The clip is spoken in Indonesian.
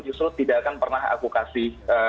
justru tidak akan pernah aku kasih